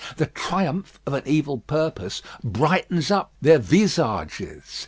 The triumph of an evil purpose brightens up their visages.